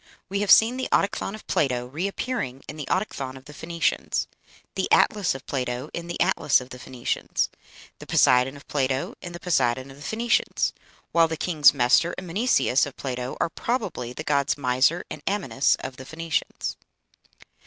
We have seen the Autochthon of Plato reappearing in the Autochthon of the Phoenicians; the Atlas of Plato in the Atlas of the Phoenicians; the Poseidon of Plato in the Poseidon of the Phoenicians; while the kings Mestor and Mneseus of Plato are probably the gods Misor and Amynus of the Phoenicians.